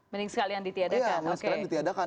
mending sekalian ditiadakan